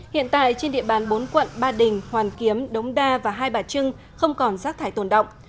hiện tại trên địa bàn bốn quận ba đình hoàn kiếm đống đa và hai bà trưng không còn rác thải tồn động